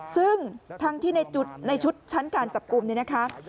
ซึ่งทั้งที่ในชุดชั้นการจับกลุ่มเนี่ยนะคะ